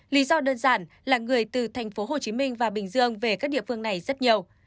lý do đơn giản là người từ tp hcm và bình dương về các địa phương này rất nhiều